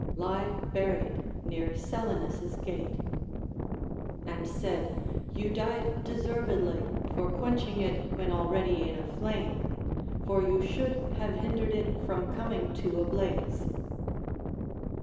Lie buried near Selinus' gate ;— and said: You died deservedly for quenching it wnen already in a flame ; for you should have hindered it from coming to a blaze.